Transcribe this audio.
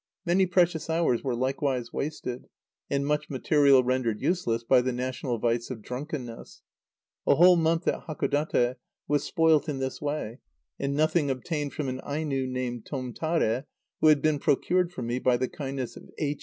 Many precious hours were likewise wasted, and much material rendered useless, by the national vice of drunkenness. A whole month at Hakodate was spoilt in this way, and nothing obtained from an Aino named Tomtare, who had been procured for me by the kindness of H.